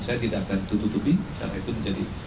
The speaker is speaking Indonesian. saya tidak akan tutupi karena itu menjadi